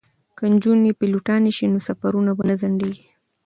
که نجونې پیلوټانې شي نو سفرونه به نه ځنډیږي.